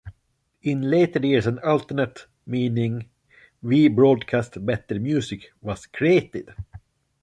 In later years, an alternate meaning, "We Broadcast Better Music," was created.